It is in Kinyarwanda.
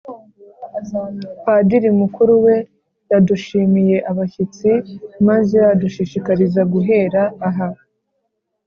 padiri mukuru we, yadushimiye abashyitsi bacu, maze adushishikariza guhera aha